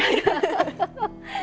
ハハハハ！